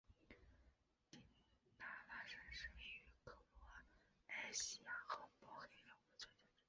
迪纳拉山是位于克罗埃西亚和波黑两国交界处的一座山峰。